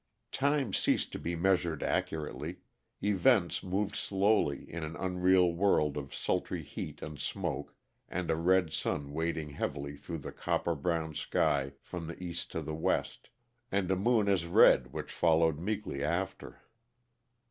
Time ceased to be measured accurately; events moved slowly in an unreal world of sultry heat and smoke and a red sun wading heavily through the copper brown sky from the east to the west, and a moon as red which followed meekly after.